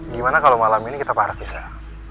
gimana kalau malam ini kita para kisah